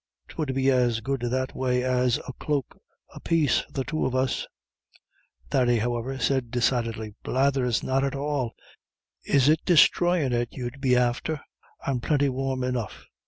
'Twould be as good that way as a cloak apiece for the two of us." Thady, however, said decidedly: "Blathers, not at all. Is it destroyin' it you'd be after? I'm plinty warm enough."